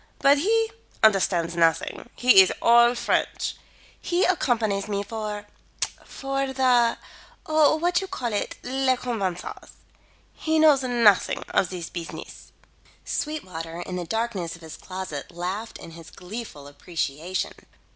But he understands nothing. He is all French. He accompanies me for for the what you call it? les convenances. He knows nothing of the beesiness." Sweetwater in the darkness of his closet laughed in his gleeful appreciation.